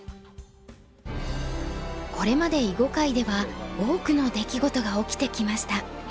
これまで囲碁界では多くの出来事が起きてきました。